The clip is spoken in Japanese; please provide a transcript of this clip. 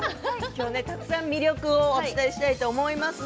今日はたくさん魅力を伺いたいと思います。